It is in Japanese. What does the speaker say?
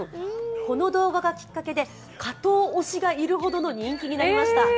この動画がきっかけで加藤推しがいるほどの人気者になりました。